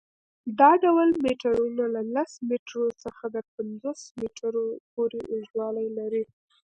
دا ډول میټرونه له لس میټرو څخه تر پنځوس میټرو پورې اوږدوالی لري.